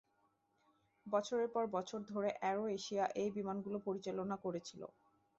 বছরের পর বছর ধরে অ্যারো এশিয়া এই বিমানগুলো পরিচালনা করেছিল;